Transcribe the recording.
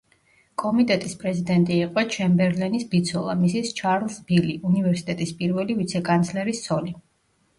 კომიტეტის პრეზიდენტი იყო ჩემბერლენის ბიცოლა, მისის ჩარლზ ბილი, უნივერსიტეტის პირველი ვიცე-კანცლერის ცოლი.